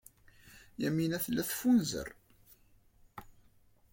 Yamina tella teffunzer.